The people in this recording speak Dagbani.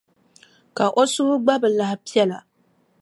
Ka o suhu gba bi lahi piɛla.